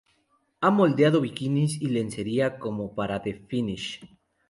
Ha modelado bikinis y lencería, como para The Finish.